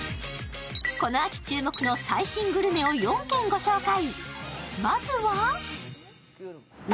この秋注目の最新グルメを４軒ご紹介。